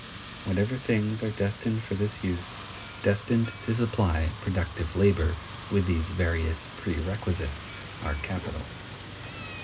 Whatever things are destined for this use—destined to supply productive labor with these various prerequisites—are Capital.